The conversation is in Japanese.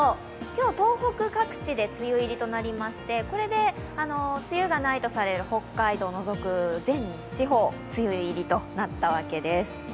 今日は東北各地で梅雨入りとなりましてこれで梅雨がないとされる北海道を除く全地方、梅雨入りとなったわけです